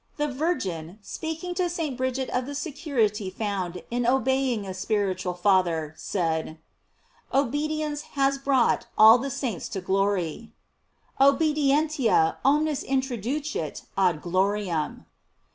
§ The Virgin, speaking to St. Bridget of the security found in obeying a spiritual father, said: Obedience has brought all the saints to glory: "Obedientia omnes introducit ad gloriam."